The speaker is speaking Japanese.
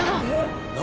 何？